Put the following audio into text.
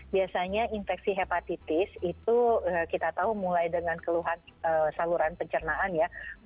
biasanya infeksi hepatitis itu kita tahu mulai dengan keluhan saluran pencernaan ya